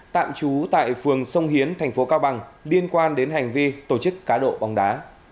tạm trú tại phường sông hiến thành phố cao bằng liên quan đến hành vi tổ chức cá độ bóng đá